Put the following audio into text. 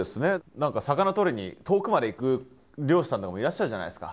何か魚とりに遠くまで行く漁師さんとかもいらっしゃるじゃないですか。